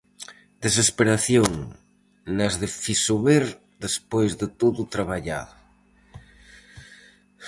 Desesperación nas de Fisober despois de todo o traballado.